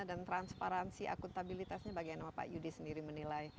dan transparansi akuntabilitasnya bagaimana pak yudi sendiri menilai